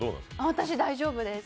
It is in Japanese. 私、大丈夫です。